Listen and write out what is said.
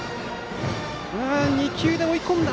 ２球で追い込んだ